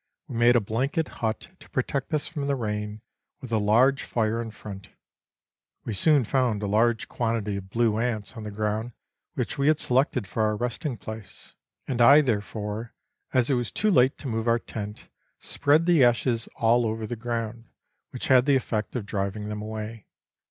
We made a blanket hut to protect us from the rain, with a large fire in front. We soon found a large quantity of blue ants on the ground which we had selected for our resting place, and I there fore, as it was too late to move our tent, spread the ashes all over the ground, which had the effect of driving them away.